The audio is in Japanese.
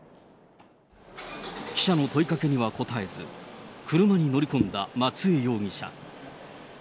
記者の問いかけには答えず、車に乗り込んだ松江容疑者。